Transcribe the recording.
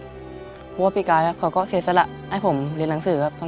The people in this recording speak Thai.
เพราะว่าพี่กายเขาก็เสียสละให้ผมเรียนหนังสือครับ